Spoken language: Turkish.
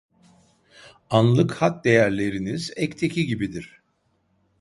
Anlık hat değerleriniz ekteki gibidir